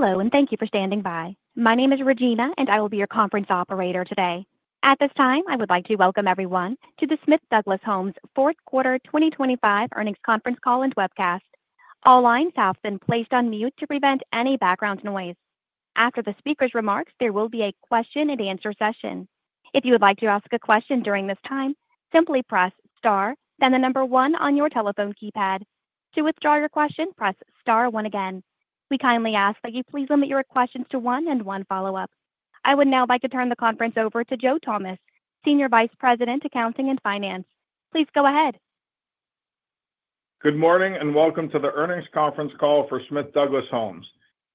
Hello and thank you for standing by. My name is Regina and I will be your conference operator today. At this time I would like to welcome everyone to the Smith Douglas Homes fourth quarter 2025 earnings conference call and webcast. All lines have been placed on mute to prevent any background noise. After the speaker's remarks, there will be a question and answer session. If you would like to ask a question during this time, simply press Star then the number one on your telephone keypad. To withdraw your question, press Star one. Again, we kindly ask that you please limit your questions to one and one follow up. I would now like to turn the conference over to Joe Thomas, Senior Vice President, Accounting and Finance. Please go ahead. Good morning and welcome to the earnings conference call for Smith Douglas Homes.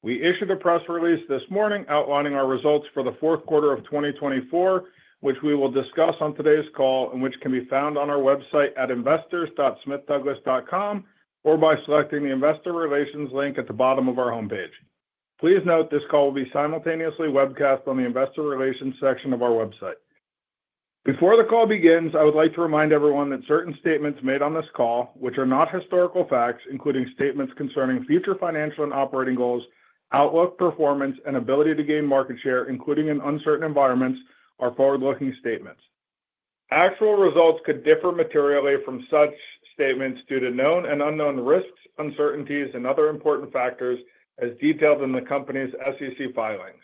We issued a press release this morning outlining our results for the fourth quarter of 2024, which we will discuss on today's call and which can be found on our website at investors.smithdouglas.com or by selecting the Investor Relations link at the bottom of our homepage. Please note this call will be simultaneously webcast on the Investor Relations section of our website. Before the call begins, I would like to remind everyone that certain statements made on this call which are not historical facts, including statements concerning future financial and operating goals, outlook, performance, and ability to gain market share, including in uncertain environments, are forward-looking statements. Actual results could differ materially from such statements due to known and unknown risks, uncertainties, and important factors as detailed in the company's SEC filings.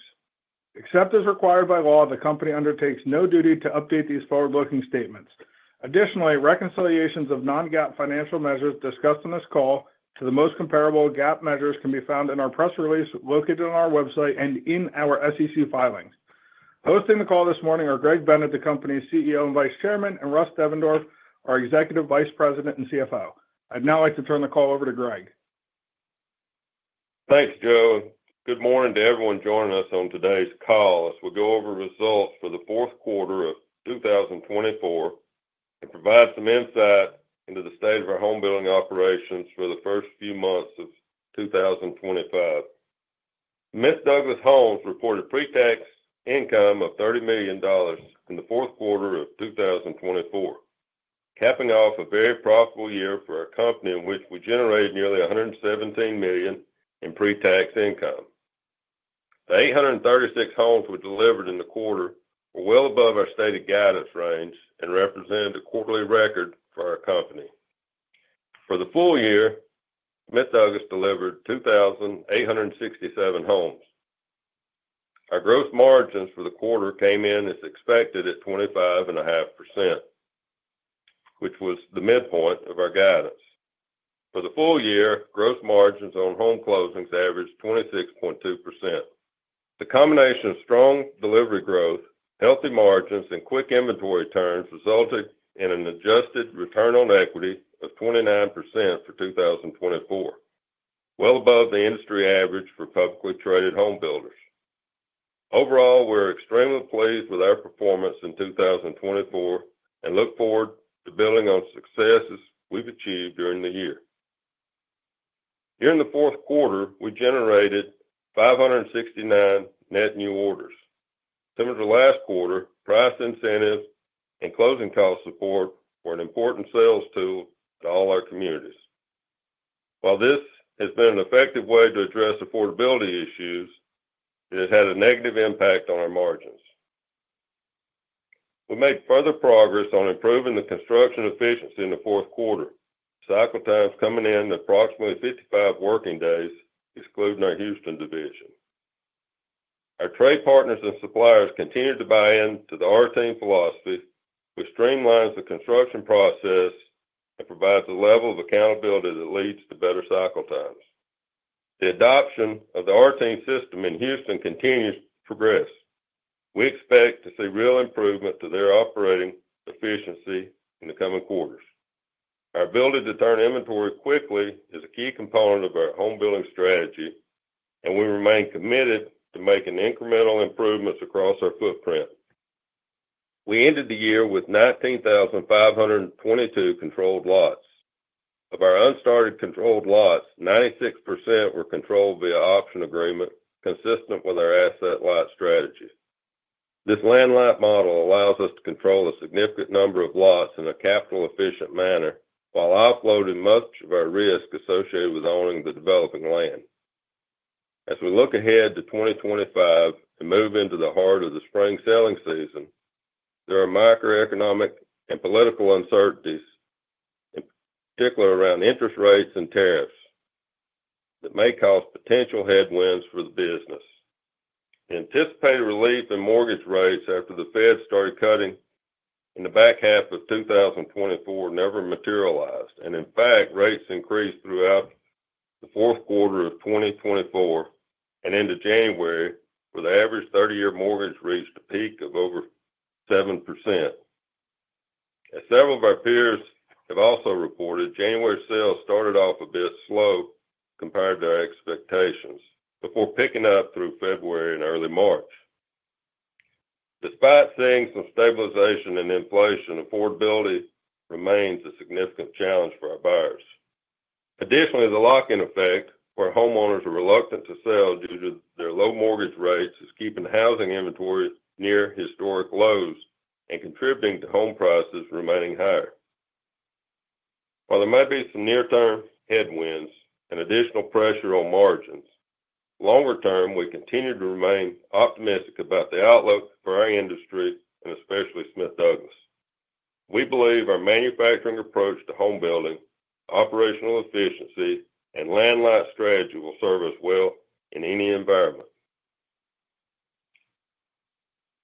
Except as required by law, the company undertakes no duty to update these forward looking statements. Additionally, reconciliations of non-GAAP financial measures discussed on this call to the most comparable GAAP measures can be found in our press release located on our website and in our SEC filings. Hosting the call this morning are Greg Bennett, the company's CEO and Vice Chairman, and Russ Devendorf, our Executive Vice President and CFO. I'd now like to turn the call over to Greg. Thanks Joe. Good morning to everyone joining us on today's call as we go over results for the fourth quarter of 2024 and provide some insight into the state of our home building operations for the first few months of 2025. Smith Douglas Homes reported pre-tax income of $30 million in the fourth quarter of 2024, capping off a very profitable year for a company in which we generated nearly $117 million in pre-tax income. The 836 homes we delivered in the quarter were well above our stated guidance range and represent a quarterly record for our company. For the full year, Smith Douglas delivered 2,867 homes. Our gross margins for the quarter came in as expected at 25.5%, which was the midpoint of our guidance. For the full year, gross margins on home closings averaged 26.2%. The combination of strong delivery growth, healthy margins and quick inventory turns resulted in an adjusted return on equity of 29% for 2024, well above the industry average for publicly traded home builders. Overall, we're extremely pleased with our performance in 2024 and look forward to building on successes we've achieved during the year. During the fourth quarter we generated 569 net new orders similar to last quarter. Price incentives and closing cost support were an important sales tool in all our communities. While this has been an effective way to address affordability issues, it has had a negative impact on our margins. We made further progress on improving the construction efficiency in the fourth quarter. Cycle times coming in approximately 55 working days excluding our Houston division, our trade partners and suppliers continue to buy into the Arten philosophy, which streamlines the construction process and provides a level of accountability that leads to better cycle times. The adoption of the Arten system in Houston continues progress. We expect to see real improvement to their operating efficiency in the coming quarters. Our ability to turn inventory quickly is a key component of our homebuilding strategy and we remain committed to making incremental improvements across our footprint. We ended the year with 19,522 controlled lots. Of our unstarted controlled lots, 96% were controlled via option agreement, consistent with our asset light strategies. This land-light model allows us to control a significant number of lots in a capital efficient manner while offloading much of our risk associated with owning the developing land. As we look ahead to 2025 and move into the heart of the spring selling season, there are microeconomic and political uncertainties, particularly around interest rates and tariffs, that may cause potential headwinds for the business. Anticipated relief in mortgage rates after the Fed started cutting in the back half of 2024 never materialized, and in fact rates increased throughout the fourth quarter of 2024 and into January where the average 30-year mortgage reached a peak of over 7%. As several peers have also reported, January sales started off a bit slow compared to expectations before picking up through February and early March. Despite seeing some stabilization in inflation, affordability remains a significant challenge for our buyers. Additionally, the lock-in effect, where homeowners are reluctant to sell due to their low mortgage rates, is keeping housing inventory near historic lows and contributing to home prices remaining higher. While there might be some near term headwinds and additional pressure on margins longer term, we continue to remain optimistic about the outlook for our industry and especially Smith Douglas. We believe our manufacturing approach to home building, operational efficiency and land-light strategy will serve us well in any environment.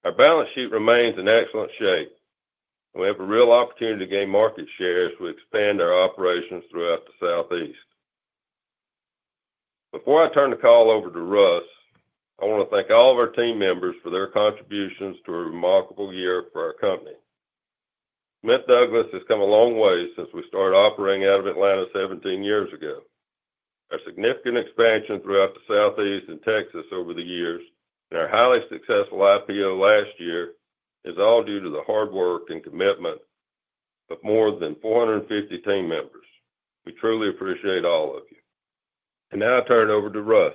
Our balance sheet remains in excellent shape. We have a real opportunity to gain market share as we expand our operations throughout the Southeast. Before I turn the call over to Russ, I want to thank all of our team members for their contributions to a remarkable year for our company. Smith Douglas has come a long way since we started operating out of Atlanta 17 years ago. Our significant expansion throughout the Southeast and Texas over the years and our highly successful IPO last year is all due to the hard work and commitment of more than 450 team members. We truly appreciate all of you and now turn it over to Russ.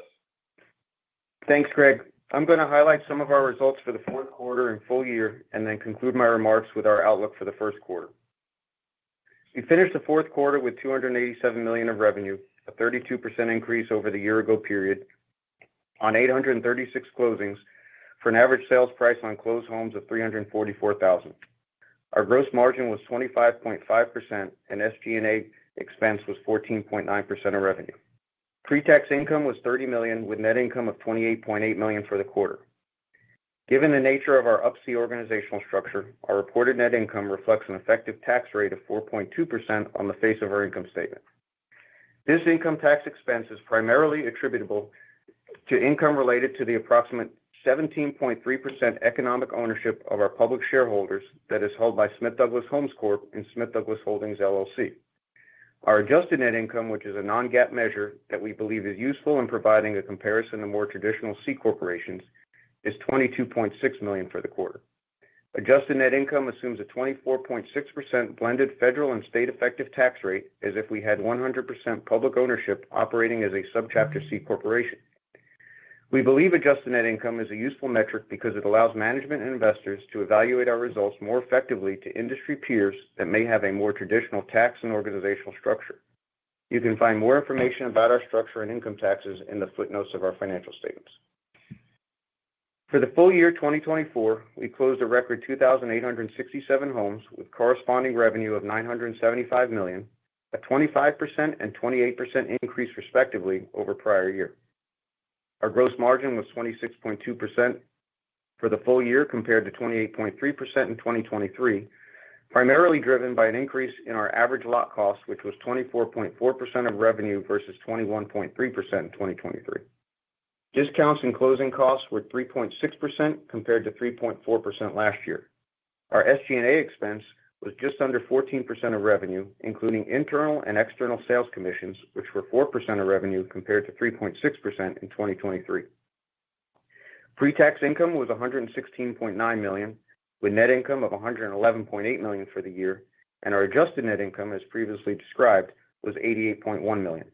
Thanks Greg. I'm going to highlight some of our results for the fourth quarter and full year and then conclude my remarks with our outlook for the first quarter. We finished the fourth quarter with $287 million of revenue, a 32% increase over the year ago period on 836 closings for an average sales price on closed homes of $344,000. Our gross margin was 25.5% and SG&A expense was 14.9% of revenue. Pre-tax income was $30 million with net income of $28.8 million for the quarter. Given the nature of our UP-C organizational structure, our reported net income reflects an effective tax rate of 4.2%. On the face of our income statement, this income tax expense is primarily attributable to income related to the approximate 17.3% economic ownership of our public shareholders that is held by Smith Douglas Homes and Smith Douglas Holdings LLC. Our adjusted net income, which is a non-GAAP measure that we believe is useful in providing a comparison to more traditional C corporations, is $22.6 million for the quarter. Adjusted net income assumes a 24.6% blended federal and state effective tax rate as if we had 100% public ownership operating as a subchapter C corporation. We believe adjusted net income is a useful metric because it allows management and investors to evaluate our results more effectively to industry peers that may have a more traditional tax and organizational structure. You can find more information about our structure and income taxes in the footnotes of our financial statements. For the full year 2024, we closed a record 2,867 homes with corresponding revenue of $975 million, a 25% and 28% increase respectively over prior year. Our gross margin was 26.2% for the full year compared to 28.3% in 2023, primarily driven by an increase in our average lot cost which was 24.4% of revenue versus 21.3% in 2023. Discounts and closing costs were 3.6% compared to 3.4% last year. Our SG&A expense was just under 14% of revenue including internal and external sales commissions which were 4% of revenue compared to 3.6% in 2023. Pre-tax income was $116.9 million with net income of $111.8 million for the year and our adjusted net income as previously described was $88.1 million.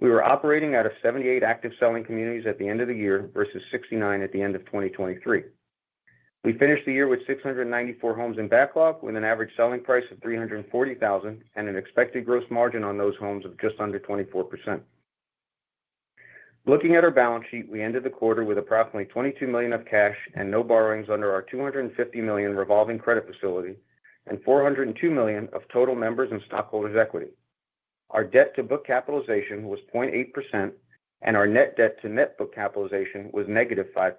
We were operating out of 78 active selling communities at the end of the year versus 69 at the end of 2023. We finished the year with 694 homes in backlog with an average selling price of $340,000 and an expected gross margin on those homes of just under 24%. Looking at our balance sheet, we ended the quarter with approximately $22 million of cash and no borrowings under our $250 million revolving credit facility and $402 million of total members and stockholders equity. Our debt to book capitalization was 0.8% and our net debt to net book capitalization was negative 5%.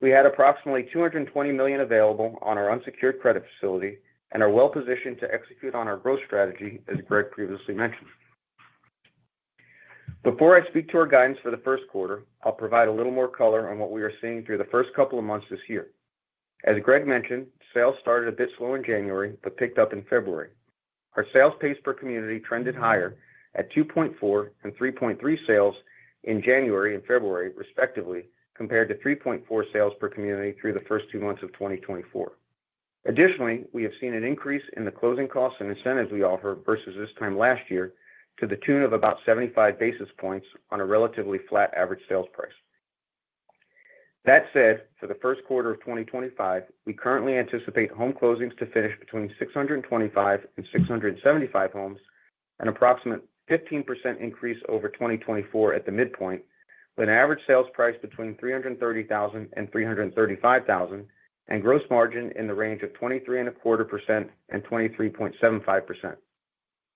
We had approximately $220 million available on our unsecured credit facility and are well positioned to execute on our growth strategy. As Greg previously mentioned before I speak to our guidance for the first quarter, I'll provide a little more color on what we are seeing through the first couple of months this year. As Greg mentioned, sales started a bit slow in January but picked up in February. Our sales pace per community trended higher at 2.4 and 3.3 sales in January and February respectively, compared to 3.4 sales per community through the first two months of 2024. Additionally, we have seen an increase in the closing costs and incentives we offered versus this time last year to the tune of about 75 basis points on a relatively flat average sales price. That said, for the first quarter of 2025, we currently anticipate home closings to finish between 625 and 675 homes, an approximate 15% increase over 2024 at the midpoint with an average sales price between $330,000 and $335,000 and gross margin in the range of 23.25%-23.75%.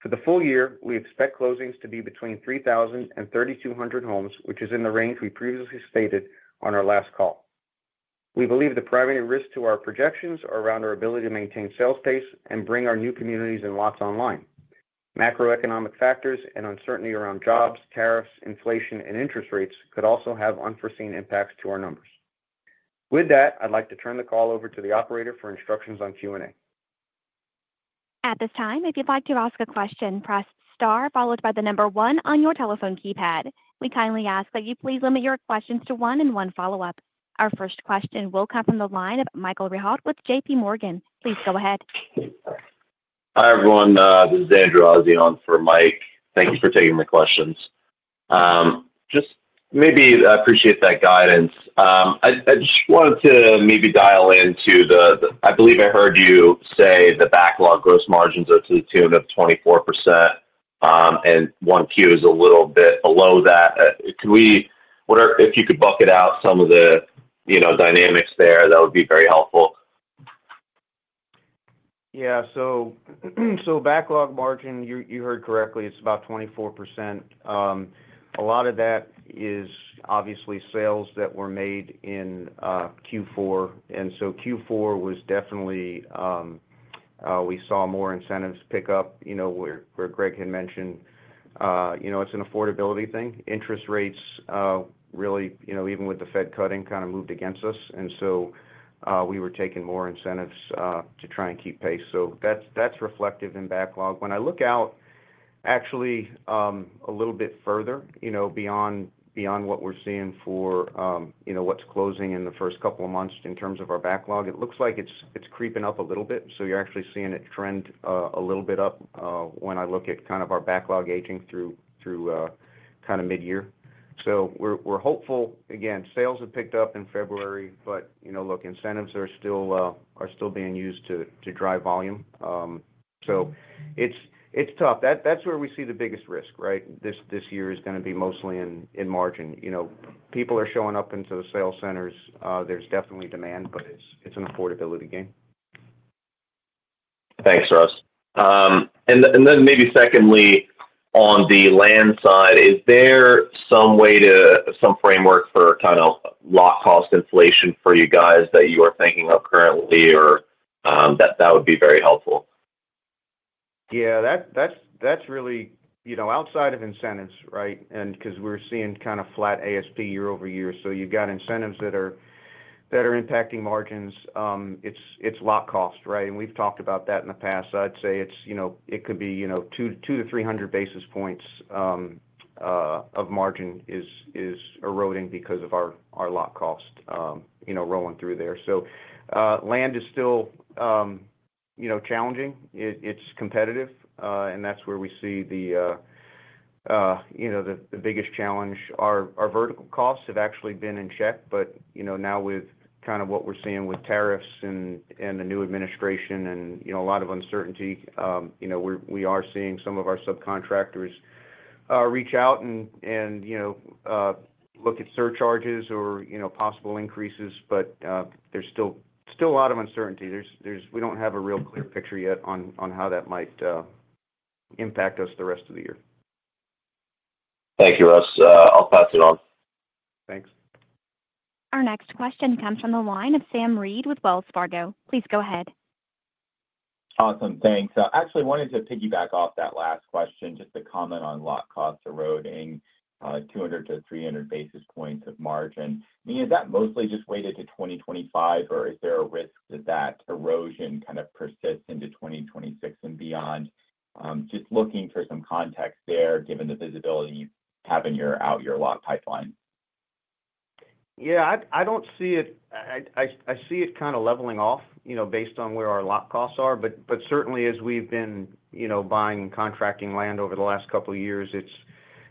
For the full year we expect closings to be between 3,000 and 3,200 homes which is in the range we previously stated on our last call. We believe the primary risk to our projections are around our ability to maintain sales pace and bring our new communities and lots online. Macroeconomic factors and uncertainty around jobs, tariffs, inflation and interest rates could also have unforeseen impacts to our numbers. With that, I'd like to turn the call over to the operator for instructions on Q&A. At this time. If you'd like to ask a question, press star followed by the number one on your telephone keypad. We kindly ask that you please limit your questions to 1 and 1 follow up. Our first question will come from the line of Michael Rehault with JP Morgan. Please go ahead. Hi everyone, this is Andrew Azzi on for Mike. Thank you for taking my questions. Just maybe I appreciate that guidance. I just wanted to maybe dial into. I believe I heard you say the backlog gross margins are to tune up 24% and 1Q is a little bit below that. If you could bucket out some of. The, you know, dynamics there, that would be very helpful. Yeah, so backlog margin, you heard correctly, it's about 24%. A lot of that is obviously sales that were made in Q4. Q4 was definitely, we saw more incentives pick up, you know, where Greg had mentioned, you know, it's an affordability thing. Interest rates really even with the Fed cutting kind of moved against us and so we were taking more incentives to try and keep pace. That's reflective in backlog. When I look out actually a little bit further, you know, beyond what we're seeing for, you know, what's closing in the first couple of months in terms of our backlog, it looks like it's creeping up a little bit. So you're actually seeing it trend a little bit up. When I look at kind of our backlog aging through, through kind of mid year. We're hopeful again sales have picked up in February, but you know, look, incentives are still being used to drive volume. It's tough that that's where we see the biggest risk. Right. This year is going to be mostly in margin. You know, people are showing up into the sales centers. There's definitely demand, but it's an affordability game. Thanks, Russ. Maybe secondly on the land side, is there some way to, some framework for kind of lot cost inflation for you guys that you are thinking of currently or that would be very helpful. Yeah, that, that's, that's really, you know, outside of incentives. Right. And because we're seeing kind of flat ASP year over year. So you got incentives that are, that are impacting margins. It's, it's lot cost. Right. And we've talked about that in the past. I'd say it's, you know, it could be, you know, 200-300 basis points of margin is eroding because of our lot cost rolling through there. So land is still challenging, it's competitive, and that's where we see the biggest challenge. Our vertical costs have actually been in check. Now with kind of what we're seeing with tariffs and the new administration and a lot of uncertainty, we are seeing some of our subcontractors reach out and, you know, look at surcharges or, you know, possible increases. There's still, still a lot of uncertainty. There's, we don't have a real clear picture yet on how that might impact us the rest of the year. Thank you, Russ. I'll pass it on. Thanks. Our next question comes from the line of Sam Reid with Wells Fargo. Please go ahead. Awesome, thanks. Actually wanted to piggyback off that last question. Just a comment on lot cost eroding 200-300 basis points of margin. I mean, is that mostly just weighted to 2025 or is there a risk that, that erosion kind of persist into 2026 and beyond? Just looking for some context there, given the visibility, having your out your lot pipeline. Yeah, I don't see it. I see it kind of leveling off, you know, based on where our lot costs are. But certainly as we've been, you know, buying contracting land over the last couple of years,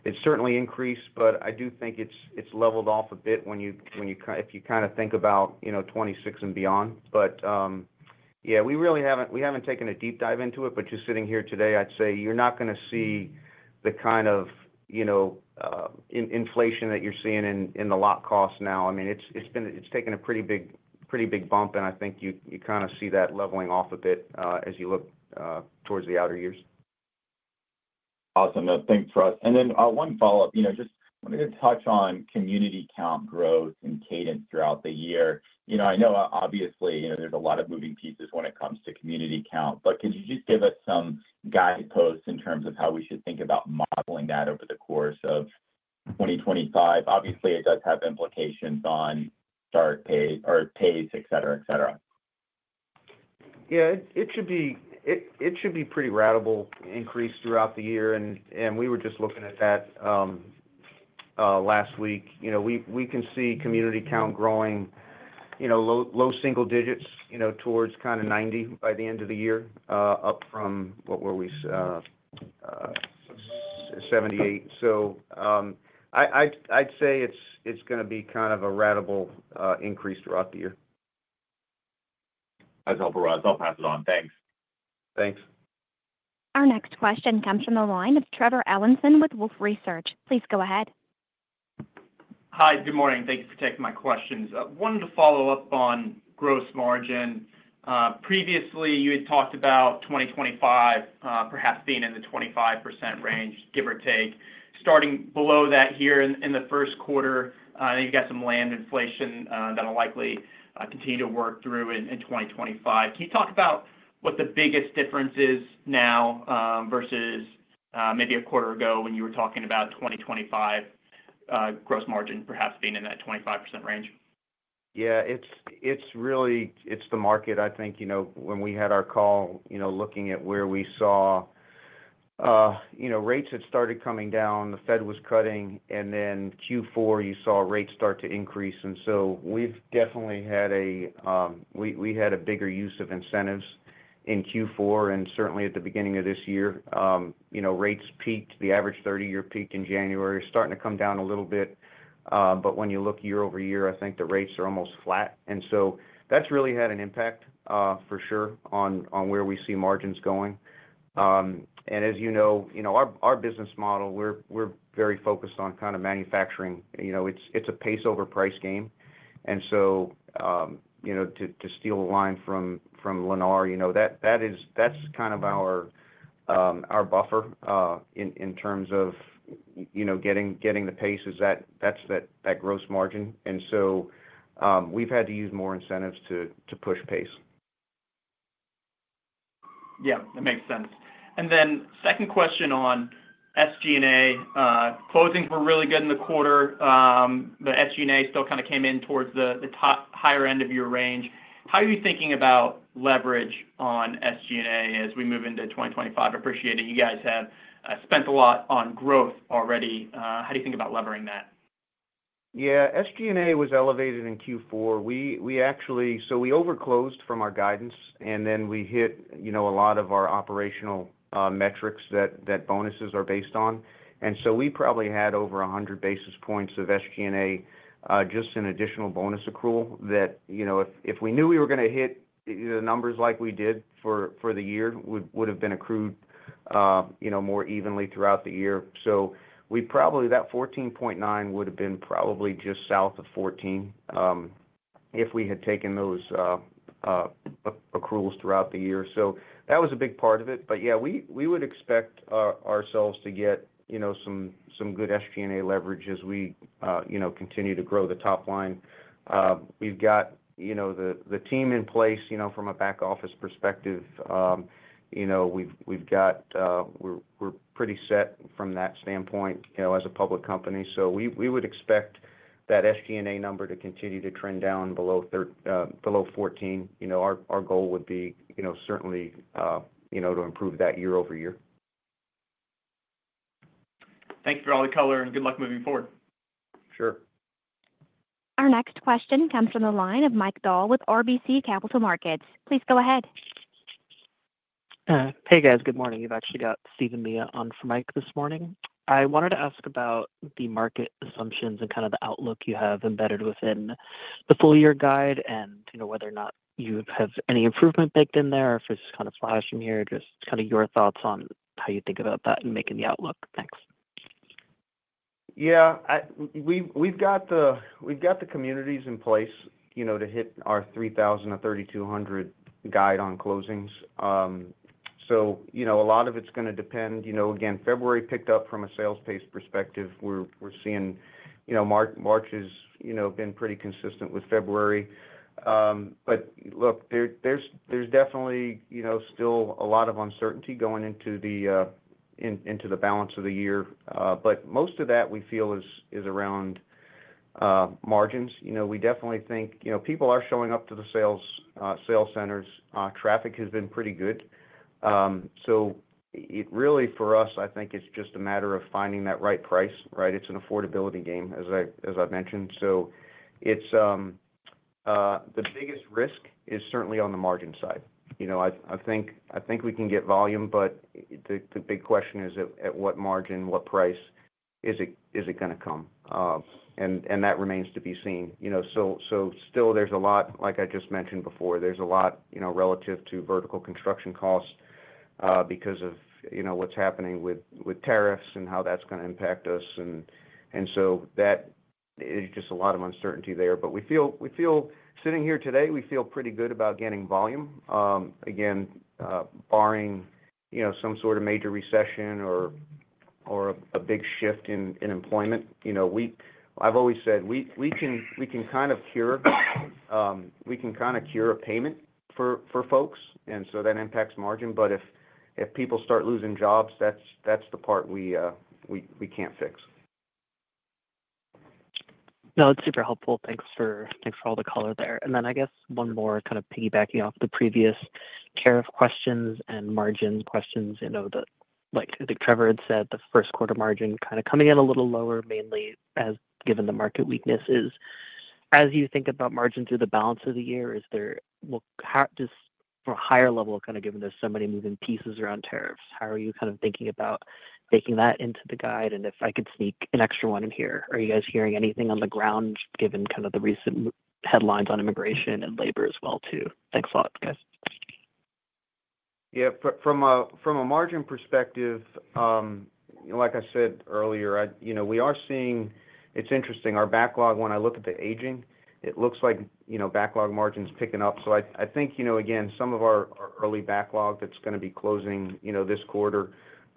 it's certainly increased, but I do think it's leveled off a bit when you, if you kind of think about, you know, 2026 and beyond. Yeah, we really haven't, we haven't taken a deep dive into it. Just sitting here today, I'd say you're not going to see the kind of, you know, inflation that you're seeing in the lot costs now. I mean, it's taken a pretty big, pretty big bump and I think you kind of see that leveling off a bit as you look towards the outer years. Awesome. Thanks, Russ. One follow up. You know, just wanted to touch on community count, growth and cadence throughout the year. You know, I know obviously, you know, there's a lot of moving pieces when it comes to community count, but could you just give us some guideposts in terms of how we should think about modeling that over the course of 2025? Obviously it does have implications on start pace or pace, et cetera, et cetera. Yeah, it should be, it should be pretty ratable increase throughout the year. We were just looking at that last week. You know, we can see community count growing, you know, low single digits, you know, towards kind of 90 by the end of the year up from, what were we, 78. I’d say it’s going to be kind of a ratable increase throughout the year. As I'll be, I'll pass it on. Thanks. Thanks. Our next question comes from the line of Trevor Allinson with Wolfe Research. Please go ahead. Hi, good morning. Thank you for taking my questions. Wanted to follow up on gross margin. Previously you had talked about 2025 perhaps being in the 25% range, give or take starting below that here in the first quarter. I know you've got some land inflation that'll likely continue to work through in 2025. Can you talk about what the biggest difference is now versus maybe a quarter ago when you were talking about 2025 gross margin perhaps being in that 25% range? Yeah, it's really, it's the market. I think when we had our call looking at where we saw rates had started coming down, the Fed was cutting and then Q4 you saw rates start to increase. We've definitely had a, we had a bigger use of incentives in Q4 and certainly at the beginning of this year, you know, rates peaked, the average 30 year peak in January starting to come down a little bit. When you look year over year, I think the rates are almost flat. That's really had an impact for sure on where we see margins going. As you know, you know our business model, we're very focused on kind of manufacturing, you know, it's a pace over price game. You know, to steal a line from Lennar, that is kind of our buffer in terms of getting the pace, is that gross margin. We have had to use more incentives to push pace. Yeah, that makes sense. Second question on SG&A, closing for really good in the quarter but SG&A still kind of came in towards the top, higher end of thinking about leverage on SG&A. As we move into 2025, appreciating you guys have spent a lot on growth already, how do you think about levering that? Yeah, SG&A was elevated in Q4. We actually, we over closed from our guidance and then we hit, you know, a lot of our operational metrics that bonuses are based on and so we probably had over 100 basis points of SG&A, just an additional bonus accrual that, you know, if we knew we were going to hit the numbers like we did for the year, would have been accrued, you know, more evenly throughout the year. That 14.9 would have been probably just south of 14 if we had taken those accruals throughout the year. That was a big part of it. Yeah, we would expect ourselves to get, you know, some good SG&A leverage as we, you know, continue to grow the top line. We've got, you know, the team in place. You know, from a back office perspective. You know we've got, we're pretty set from that standpoint, you know as a public company. So we would expect that SG&A number to continue to trend down below 14. You know, our goal would be, you know, certainly, you know, to improve that year over year. Thank you for all the color. Good luck moving forward. Sure. Our next question comes from the line of Mike Dahl with RBC Capital Markets. Please go ahead. Hey guys, good morning. You've actually got Steven Mia on for Mike this morning. I wanted to ask about the market assumptions and kind of the outlook you have embedded within the full year guide and you know, whether or not you have any improvement baked in there. If it's kind of flashing here, just kind of your thoughts on how you think about that and making the outlook. Thanks. Yeah, we, we've got the, we've got the communities in place, you know to hit our 3,000-3,200 guide on closings. You know a lot of it's going to depend, you know again February picked up from a sales pace perspective. We're, we're seeing you know, March has, you know, been pretty consistent with February. There, there's, there's definitely, you know, still a lot of uncertainty going into the, into the balance of the year. Most of that we feel is, is around margins. You know, we definitely think, you know, people are showing up to the sales, sales centers, traffic has been pretty good. It really for us I think it's just a matter of finding that right price. Right. It's an affordability game, as I mentioned. The biggest risk is certainly on the margin side. I think we can get volume, but the big question is at what margin, what price is it going to come? That remains to be seen. There is a lot, like I just mentioned before, there is a lot relative to vertical construction costs because of what's happening with tariffs and how that's going to impact us. There is just a lot of uncertainty there. We feel, sitting here today, we feel pretty good about gaining volume again, barring some sort of major recession or a big shift in employment. You know, I've always said we can kind of cure, we can kind of cure a payment for folks. And so that impacts margin. But if people start losing jobs, that's the part we can't fix. No, it's super helpful. Thanks for all the color there. I guess one more, kind of piggybacking off the previous tariff questions and margin questions. Like Trevor had said, the first quarter margin kind of coming in a little lower mainly given the market weaknesses. As you think about margin through the balance of the year for a higher level, kind of given there's so many moving pieces around tariffs, how are you kind of thinking about taking that into the guide? If I could sneak an extra one in here, are you guys hearing anything on the ground given kind of the recent headlines on immigration and labor as well too? Thanks a lot, guys. Yeah. From a margin perspective, like I said earlier, I, you know, we are seeing, it's interesting, our backlog. When I look at the aging, it looks like, you know, backlog margins picking up. I think, you know, again, some of our early backlog that's going to be closing, you know, this quarter,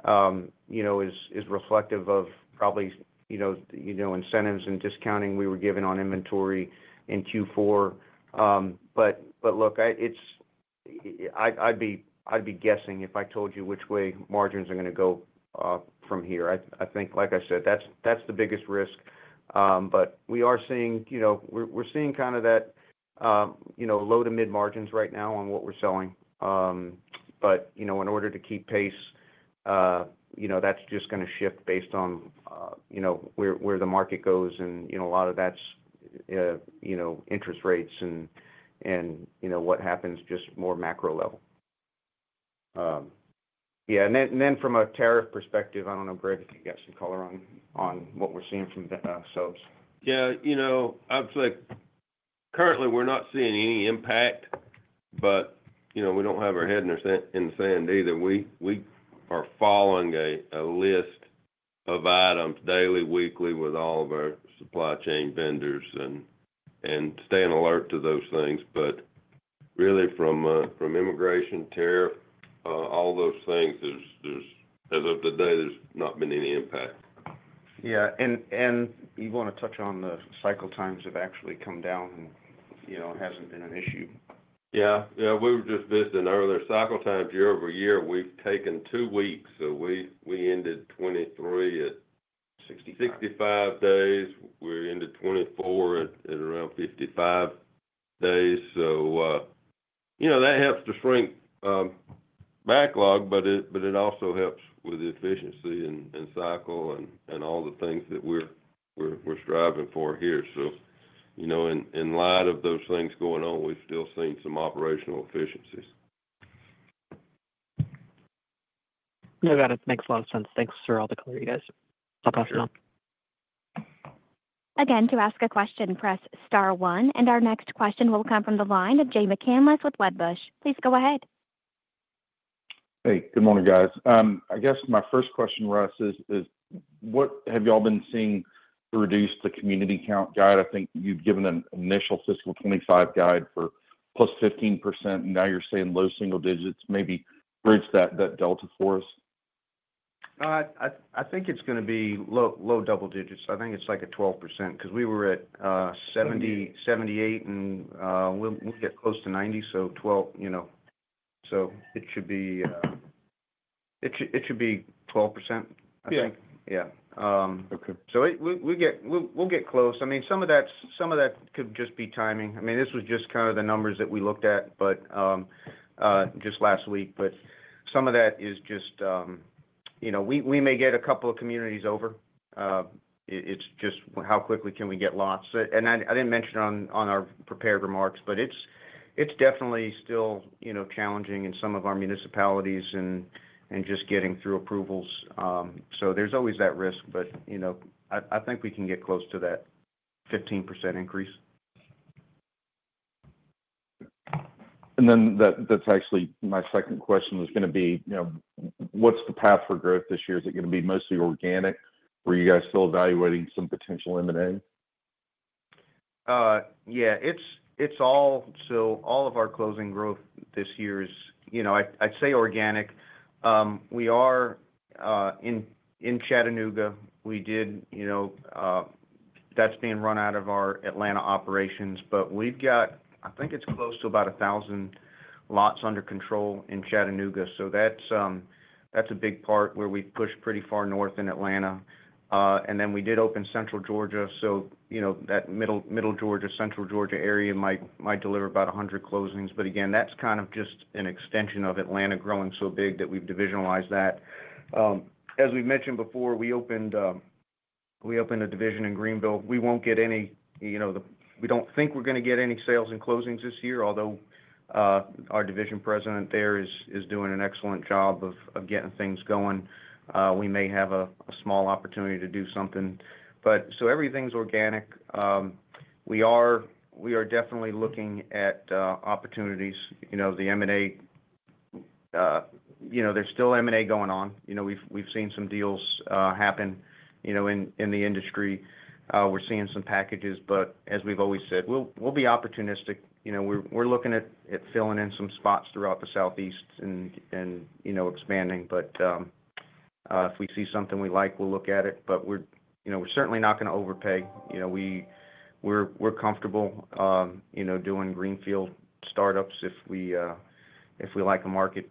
you know, is reflective of probably, you know, incentives and discounting we were giving on inventory in Q4. Look, I, it's, I'd be guessing if I told you which way margins are going to go from here. I think like I said, that's the biggest risk. We are seeing, you know, we're seeing kind of that, you know, low to mid margins right now on what we're selling. You know, in order to keep pace, you know, that's just going to shift based on, you know, where the market goes and, you know, a lot of that's, you know, interest rates and, and you know what happens? Just more macro level. Yeah. And then from a tariff perspective, I don't know, Greg, if you get some color on what we're seeing from subs. Yeah. You know, I was like, currently we're not seeing any impact, but you know, we don't have our head in the sand either. We are following a list of items daily, weekly with all of our supply chain vendors and staying alert to those things. Really from immigration, tariff, all those things, as of today, there's not been any impact. Yeah. You want to touch on the cycle times have actually come down and you know, it hasn't been an issue. Yeah. We were just visiting earlier cycle times year over year. We've taken two weeks, so we ended 2023 at 65 days. We ended 2024 at around 55 days. You know, that helps to shrink backlog, but it also helps with efficiency and cycle and all the things that we're striving for here. You know, in light of those things going on, we've still seen some operational efficiencies. No, that, it makes a lot of sense. Thanks for all the color, you guys. I'll pass it on. Again, to ask a question, press star one. Our next question will come from the line of Jay McCanless with Wedbush. Please go ahead. Hey, good morning, guys. I guess my first question, Russ, is what have y'all been seeing? Reduce the community count guide. I think you've given an initial fiscal 2025 guide for plus 15% and now you're saying low single digits. Maybe bridge that, that Delta force. I think it's going to be low, low double digits. I think it's like a 12% because we were at 70, 78 and we'll get close to 90. So 12, you know, so it should be, it should be 12%, I think. We'll get close. I mean, some of that could just be timing. I mean this was just kind of the numbers that we looked at just last week. Some of that is just, you know, we may get a couple of communities over. It's just how quickly can we get lots. I didn't mention on our prepared remarks, but it's definitely still, you know, challenging in some of our municipalities and just getting through approvals. There's always that risk. You know, I think we can get close to that 15% increase. That's actually my second question, was going to be, you know, what's the path for growth this year? Is it going to be mostly organic? Were you guys still evaluating some potential M&A? Yeah, it's, it's all. So all of our closing growth this year is, you know, I'd say organic. We are in, in Chattanooga, we did, you know, that's being run out of our Atlanta operations, but we've got, I think it's close to about 1,000 lots under control in Chattanooga. So that's, that's a big part where we push pretty far north in Atlanta. We did open Central Georgia. You know, that middle. Middle Georgia. Central Georgia area might, might deliver about 100 closings. Again, that's kind of just an extension of Atlanta growing so big that we've divisionalized that, as we've mentioned before. We opened a division in Greenville. We don't think we're going to get any sales and closings this year. Although our division president there is doing an excellent job of getting things going. We may have a small opportunity to do something. Everything's organic. We are definitely looking at opportunities. You know, the material, you know, there's still M&A going on. You know, we've seen some deals happen, you know, in the industry. We're seeing some packages, but as we've always said, we'll be opportunistic. You know, we're looking at filling in some spots throughout the Southeast, and, you know, expanding. If we see something we like, we'll look at it. We're certainly not going to overpay. You know, we're comfortable doing Greenfield startups if we like a market.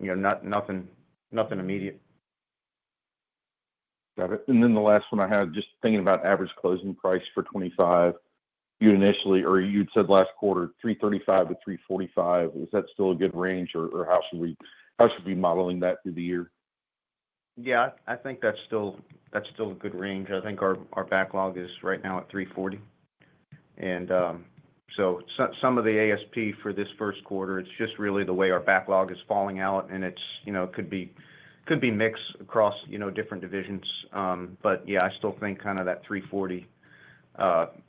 Not, nothing, nothing immediate. Got it. The last one I had just thinking about average closing price for 2025. You initially or you'd said last quarter $335,000-$345,000. Is that still a good range or how should we, how should we modeling that through the year? Yeah, I think that's still, that's still a good range. I think our backlog is right now at $340,000. And so some of the ASP for this first quarter, it's just really the way our backlog is falling out and it's, you know, could be, could be mix across, you know, different divisions. But yeah, I still think kind of that $340,000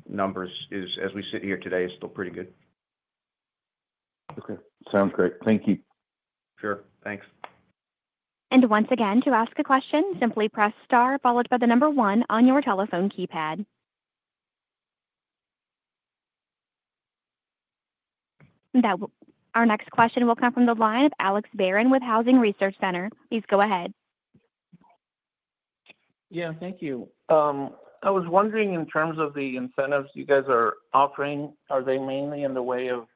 number is as we sit here today is still pretty good. Okay, sounds great. Thank you. Sure. Thanks. To ask a question, simply press star followed by the number one on your telephone keypad. Our next question will come from the line of Alex Barrón with Housing Research Center. Please go ahead. Yeah, thank you. I was wondering, in terms of the. Incentives you guys are offering, are they mainly in the way of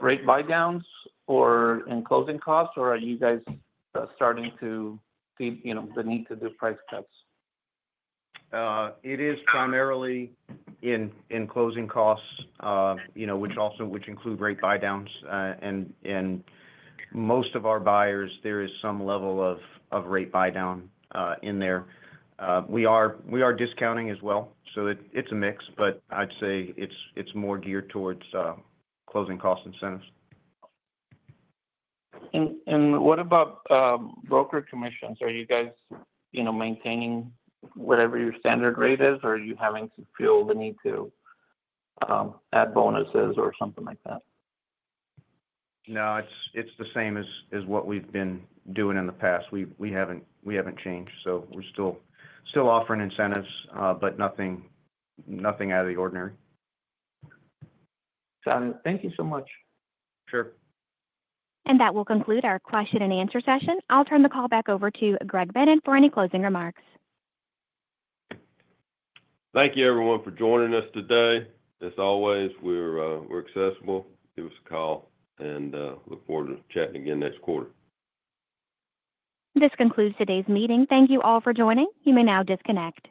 rate buy-downs. Downs or in closing costs? Or are you guys starting to be, you know, the need to do price cuts? It is primarily in, in closing costs, you know, which also, which include rate buy downs and, and most of our buyers. There is some level of, of rate buy down in there. We are, we are discounting as well. It is a mix, but I would say it is more geared towards closing cost incentives. And what about broker commissions? Are you guys, you know, maintaining whatever. Your standard rate is or are you? Having to feel the need to add bonuses or something like that? No, it's the same as what we've been doing in the past. We haven't changed. We're still offering incentives, but nothing out of the ordinary. Thank you so much. Sure. That will conclude our question and answer session. I'll turn the call back over to Greg Bennett for any closing remarks. Thank you everyone for joining us today. As always, we're accessible. Give us a call and look forward to chatting again next quarter. This concludes today's meeting. Thank you all for joining. You may now disconnect.